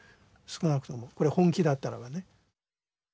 少なくともこれ本気だったらばね。